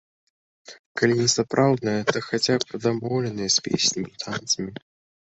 Калі не сапраўднае, то хаця б дамоўленае, з песнямі і танцамі.